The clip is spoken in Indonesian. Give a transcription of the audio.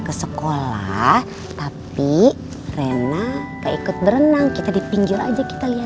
kita mau berangkat dulu ya